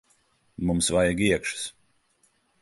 Mums vajag iekšas.